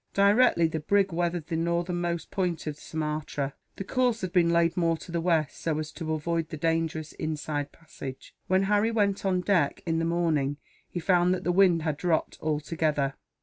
Directly the brig weathered the northernmost point of Sumatra, the course had been laid more to the west, so as to avoid the dangerous inside passage. When Harry went on deck, in the morning, he found that the wind had dropped altogether.